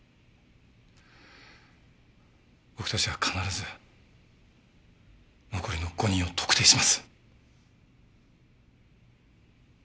僕たちは必ず残りの５人を特定します。